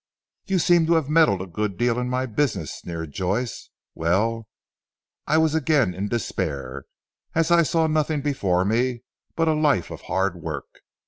"You seem to have meddled a good deal in my business," sneered Joyce. "Well, I was again in despair, as I saw nothing before me but a life of hard work.